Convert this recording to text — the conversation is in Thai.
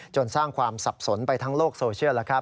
สร้างความสับสนไปทั้งโลกโซเชียล